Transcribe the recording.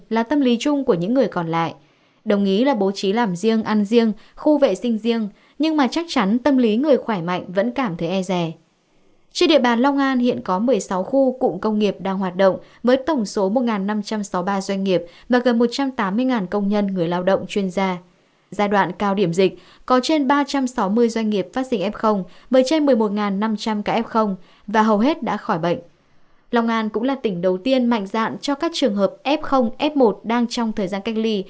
long an cũng là tỉnh đầu tiên mạnh dạn cho các trường hợp f f một đang trong thời gian cách ly